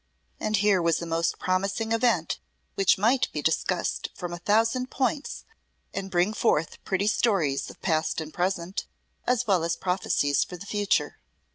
And here was a most promising event which might be discussed from a thousand points and bring forth pretty stories of past and present, as well as prophecies for the future.